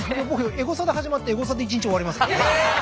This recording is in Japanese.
エゴサで始まってエゴサで一日終わりますからね。